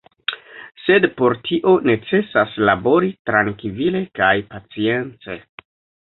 Sed por tio necesas labori, trankvile kaj pacience.